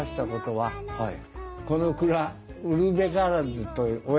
はい。